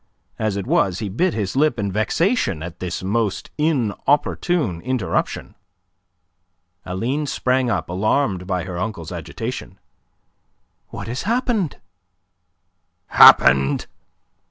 As it was he bit his lip in vexation at this most inopportune interruption. Aline sprang up, alarmed by her uncle's agitation. "What has happened?" "Happened?"